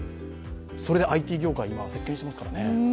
それでＩＴ業界、今、席けんしていますからね。